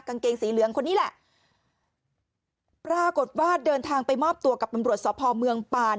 กางเกงสีเหลืองคนนี้แหละปรากฏว่าเดินทางไปมอบตัวกับตำรวจสพเมืองปาน